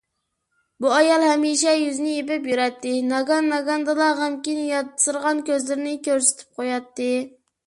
بۇ ئايال ھەمىشە يۈزىنى يېپىپ يۈرەتتى. ناگان - ناگاندىلا غەمكىن ياتسىرىغان كۆزلىرىنى كۆرسىتىپ قوياتتى.